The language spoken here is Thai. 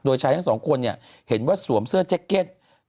โดยชายทั้งสองคนเนี่ยเห็นว่าสวมเสื้อแจ็คเก็ต